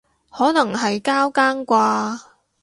可能係交更啩